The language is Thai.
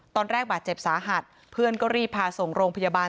ตอนแรกบาดเจ็บสาหัสเพื่อนก็รีบพาส่งโรงพยาบาล